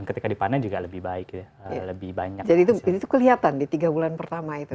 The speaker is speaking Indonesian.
ketika dipanen juga lebih baik ya lebih banyak jadi itu kelihatan di tiga bulan pertama itu